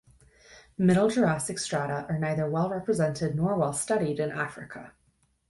Middle Jurassic strata are neither well represented nor well studied in Africa.